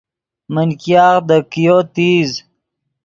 من ګیاغ دے کئیو تیز